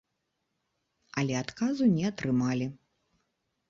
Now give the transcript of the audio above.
Але адказу не атрымалі.